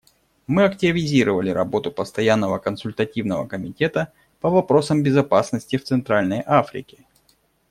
Мы активизировали работу Постоянного консультативного комитета по вопросам безопасности в Центральной Африке.